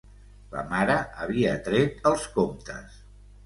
La mare havia tret els comptes.